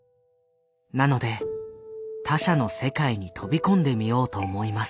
なので他者の世界に飛び込んでみようと思います」。